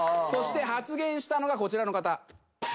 そして発言したのがこちらの方。